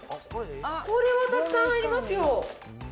これはたくさん入りますよ。